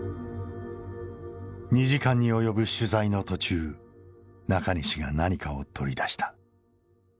２時間に及ぶ取材の途中中西が何かを取り出した。